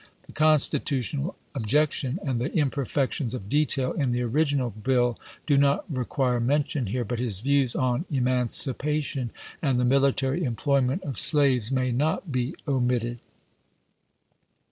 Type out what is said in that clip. The constitutional objec tion and the imperfections of detail in the original bill do not require mention here, but his views on emancipation and the military employment of slaves may not be omitted.